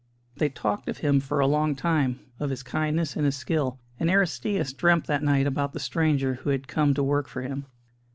They talked of him for a long time, of his kindness and his skill; and Aristćus dreamt that night about the stranger who had come to work for him.